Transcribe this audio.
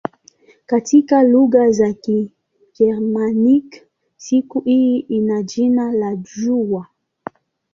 Katika lugha za Kigermanik siku hii ina jina la "jua".